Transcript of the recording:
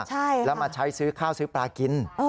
แล้วมาซื้อข้าวซื้อปลากิน